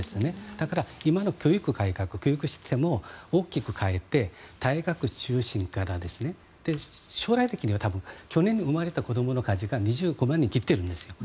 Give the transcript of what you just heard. だから、今の教育改革教育システムも大きく変えて大学中心から将来的には去年生まれた子どもたちの数が２５万人を切っているんですね。